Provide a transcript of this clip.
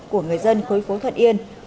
của người dân khối phố thuận yên